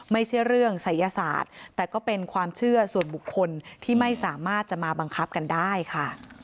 ไม่ใช่เรื่องศัยศาสตร์แต่ก็เป็นความเชื่อส่วนบุคคลที่ไม่สามารถจะมาบังคับกันได้ค่ะ